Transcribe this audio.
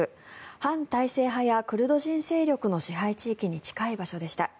反体制派やクルド人勢力の支配地域に近い場所でした。